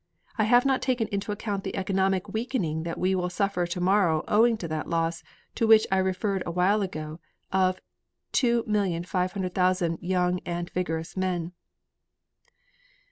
I have not taken into account the economic weakening that we will suffer tomorrow owing to that loss, to which I referred a while ago, of 2,500,000 young an vigorous men."